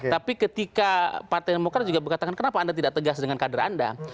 tapi ketika partai demokrat juga mengatakan kenapa anda tidak tegas dengan kader anda